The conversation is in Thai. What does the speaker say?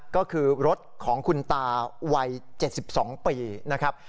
ก็คือรถของคุณตาวัย๗๒ปีนะครับ